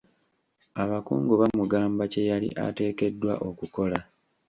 Abakungu bamugamba kye yali ateekeddwa okukola.